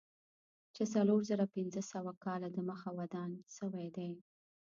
چې څلور زره پنځه سوه کاله دمخه ودان شوی دی.